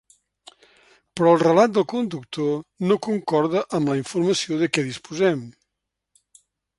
Però el relat del conductor no concorda amb la informació de què disposem.